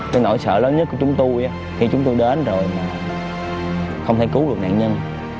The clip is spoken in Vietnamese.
cái nỗi sợ lớn nhất của chúng tôi khi chúng tôi đến rồi không thể cứu được nạn nhân